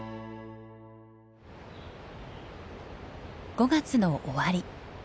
５月の終わり。